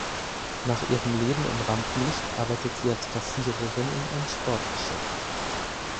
Nach ihrem Leben im Rampenlicht arbeitet sie als Kassiererin in einem Sportgeschäft.